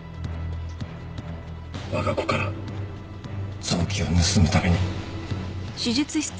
わが子から臓器を盗むために。